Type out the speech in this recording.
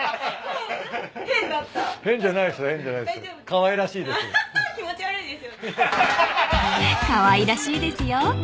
［かわいらしいですよ］